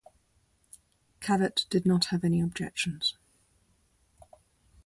Cavett did not have any objections.